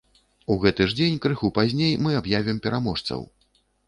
У гэты ж дзень, крыху пазней, мы аб'явім пераможцаў!